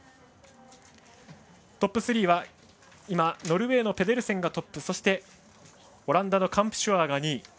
トップ３はノルウェーのペデルセンがトップそして、オランダのカンプシュアーが２位。